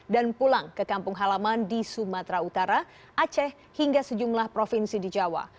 dan pulang ke kampung halaman di sumatera utara aceh hingga sejumlah provinsi di jawa